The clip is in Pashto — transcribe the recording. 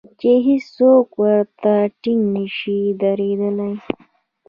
چې هېڅوک ورته ټینګ نشي درېدلای.